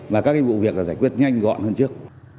và các vụ việc là giải quyết nhanh gọn hơn trước